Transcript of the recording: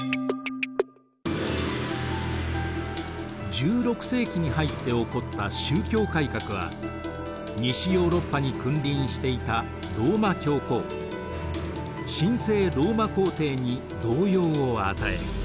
１６世紀に入って起こった宗教改革は西ヨーロッパに君臨していたローマ教皇神聖ローマ皇帝に動揺を与え